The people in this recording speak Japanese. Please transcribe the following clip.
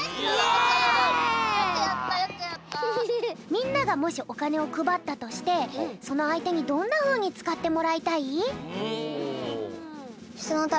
みんながもしおかねをくばったとしてそのあいてにどんなふうにつかってもらいたい？